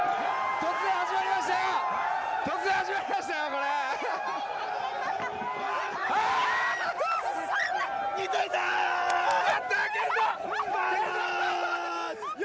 突然始まりましたよ